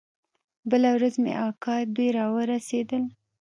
بله ورځ مې اکا دوى راورسېدل.